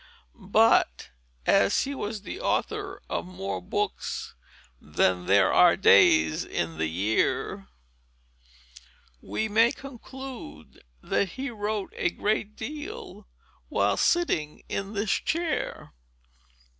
But, as he was the author of more books than there are days in the year, we may conclude that he wrote a great deal, while sitting in this chair."